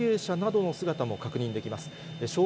また、学校関係者などの姿も確認できます。